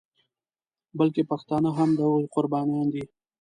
بلکې پښتانه هم د هغوی قربانیان دي.